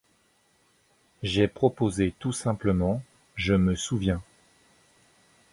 J'ai proposé tout simplement “Je me souviens”.